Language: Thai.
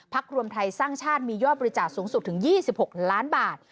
รวมไทยสร้างชาติมียอดบริจาคสูงสุดถึง๒๖ล้านบาท